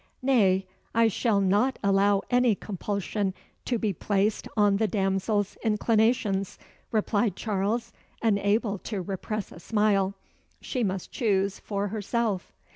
"Nay, I shall not allow any compulsion to be placed on the damsel's inclinations," replied Charles, unable to repress a smile. "She must choose for herself."